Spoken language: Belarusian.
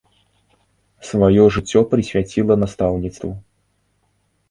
Сваё жыццё прысвяціла настаўніцтву.